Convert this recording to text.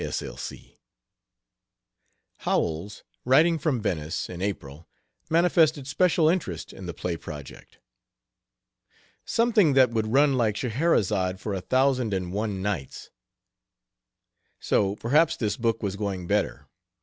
S. L. C. Howells, writing from Venice, in April, manifested special interest in the play project: "Something that would run like Scheherazade, for a thousand and one nights," so perhaps his book was going better.